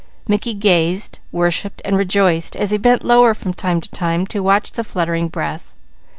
Mickey gazed, worshipped and rejoiced as he bent lower from time to time to watch the fluttering breath.